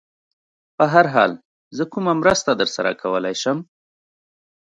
په هر حال، زه کومه مرسته در سره کولای شم؟